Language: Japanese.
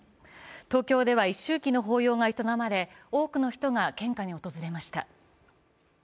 東京では一周忌の法要が営まれ、多くの人が献花に訪れました。